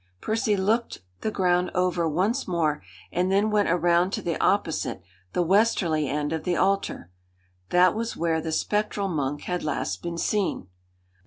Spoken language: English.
Percy looked the ground over once more, and then went around to the opposite the westerly end of the altar. That was where the spectral monk had last been seen.